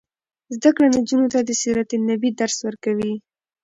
زده کړه نجونو ته د سیرت النبي درس ورکوي.